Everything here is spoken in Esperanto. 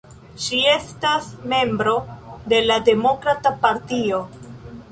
Ŝi estas membro de la Demokrata Partio.